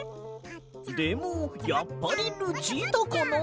「でもやっぱりルチータかな」。